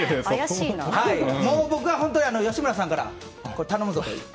もう僕は本当に吉村さんから頼むぞと。